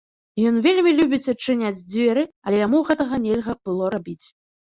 Ён вельмі любіць адчыняць дзверы, але яму гэтага нельга было рабіць.